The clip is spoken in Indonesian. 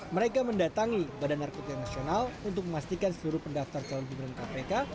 mereka mendatangi badan narkotika nasional untuk memastikan seluruh pendaftar calon pimpinan kpk